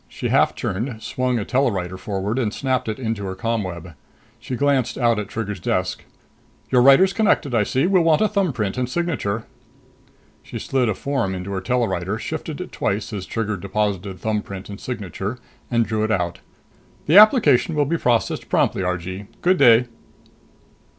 She half turned, swung a telewriter forward and snapped it into her ComWeb. She glanced out at Trigger's desk. "Your writer's connected, I see. We'll want thumbprint and signature." She slid a form into her telewriter, shifted it twice as Trigger deposited thumbprint and signature and drew it out. "The application will be processed promptly, Argee. Good day."